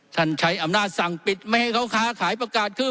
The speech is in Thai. ใช้อำนาจสั่งปิดไม่ให้เขาค้าขายประกาศคือ